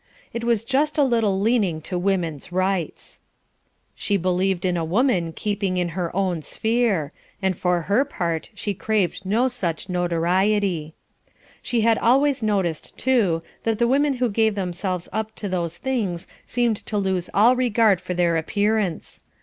It was just a little leaning to Woman's Rights. She believed in a woman keeping in her own sphere, and for her part she craved no such notoriety. She had always noticed, too, that the women who gave themselves up to those things seemed to lose all regard for their appearance.